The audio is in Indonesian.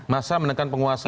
masa menekan penguasa